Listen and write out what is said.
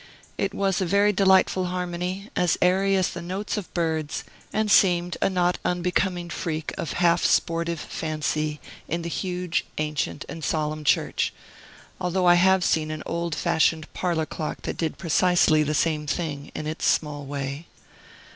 It was a very delightful harmony, as airy as the notes of birds, and seemed, a not unbecoming freak of half sportive fancy in the huge, ancient, and solemn church; although I have seen an old fashioned parlor clock that did precisely the same thing, in its small way.